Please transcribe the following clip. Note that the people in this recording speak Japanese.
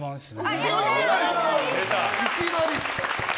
いきなり！